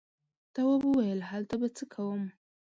تواب وويل: هلته به څه کوم.